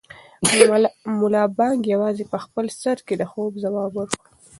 ملا بانګ یوازې په خپل سر کې د هو ځواب ورکړ.